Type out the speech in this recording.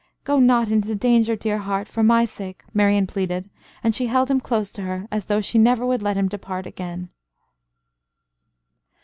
"Go not into danger, dear heart, for my sake," Marian pleaded, and she held him close to her as though she never would let him depart again.